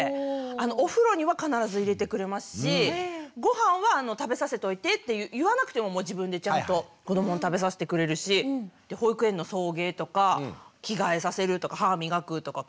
お風呂には必ず入れてくれますしごはんは食べさせといてって言わなくても自分でちゃんと子どもに食べさせてくれるし保育園の送迎とか着替えさせるとか歯磨くとか顔拭いてあげるとか。